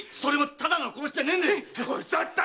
ただの殺しじゃねえんで！